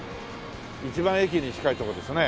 一番駅に近いとこですね。